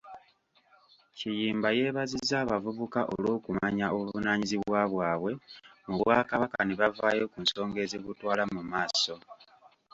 Kiyimba yeebazizza abavubuka olw'okumanya obuvunaanyizibwa bwabwe mu bwakabaka ne bavaayo ku nsonga ezibutwala mumaaso.